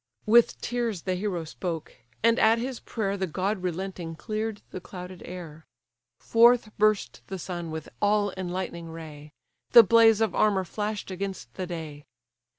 With tears the hero spoke, and at his prayer The god relenting clear'd the clouded air; Forth burst the sun with all enlightening ray; The blaze of armour flash'd against the day.